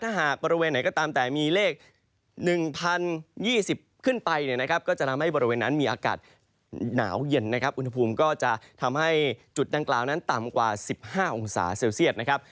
ถ้าหากบริเวณไหนก็ตามแต่มีเลข๑๐๒๐ขึ้นไปเนี่ยนะครับก็จะทำให้บริเวณนั้นมีอากาศหนาวเย็นนะครับอุณหภูมิก็จะทำให้จุดดังกล่าวนั้นต่ำกว่า๑๕องศาเซลเซียตนะครับ